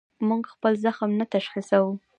موږ خپل زخم نه تشخیصوو.